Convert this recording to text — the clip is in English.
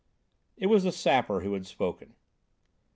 It was the Sapper who had spoken.